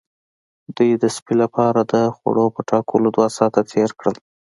دوی د سپي لپاره د خوړو په ټاکلو دوه ساعته تیر کړل